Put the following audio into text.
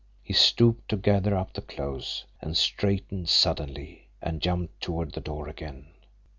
He stooped to gather up the clothes and straightened suddenly and jumped toward the door again.